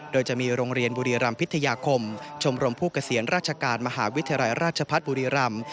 โดยจะมีโรงเรียนบุรีรำพิทยาคมชมรมผู้เกษียณราชการมหาวิทยาลัยราชพัฒน์บุรีรำ